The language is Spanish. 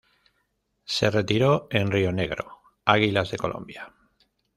Se retiró en Rionegro Águilas de Colombia.